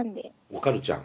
おかるちゃん。